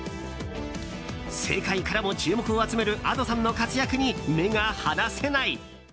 世界からも注目を集めるＡｄｏさんの活躍に目が離せない。